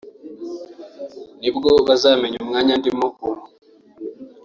ni bwo uzamenya umwanya ndimo ubu